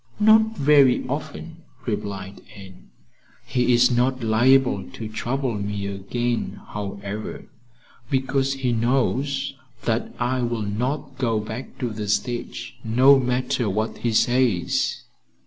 "Not very often," replied Anne. "He is not liable to trouble me again, however, because he knows that I will not go back to the stage, no matter what he says.